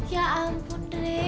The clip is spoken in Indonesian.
ya ampun re